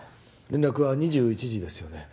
連絡は２１時ですよね